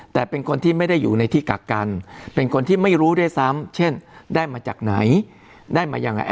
แต่เป็นคนที่ไม่ได้อยู่ในที่กักกันเป็นคนที่ไม่รู้ด้วยซ้ำเช่นได้มาจากไหนได้มายังไง